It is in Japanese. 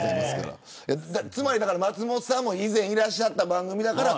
松本さんも以前いらっしゃった番組だから。